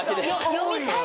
読みたい。